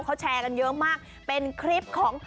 เขาแชร์กันเยอะมากเป็นคลิปของ